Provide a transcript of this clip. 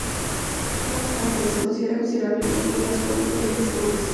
No obstante, se considera considerablemente más joven que el disco grueso.